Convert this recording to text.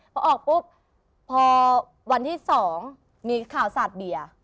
พอออกปุ๊บพอวันที่๒มีข่าวสาดเบียร์